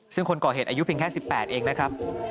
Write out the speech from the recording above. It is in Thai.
ซึ่งคนก่อเหตุอายุเพียงแค่๑๘เองนะครับ